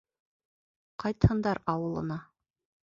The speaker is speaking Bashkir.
Ҡайтһындар ауылына.